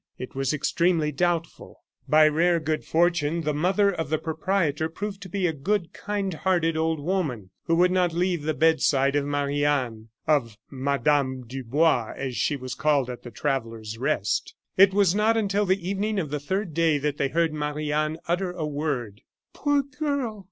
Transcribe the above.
It was extremely doubtful. By rare good fortune the mother of the proprietor proved to be a good, kind hearted old woman, who would not leave the bedside of Marie Anne of Mme. Dubois, as she was called at the Traveller's Rest. It was not until the evening of the third day that they heard Marie Anne utter a word. "Poor girl!"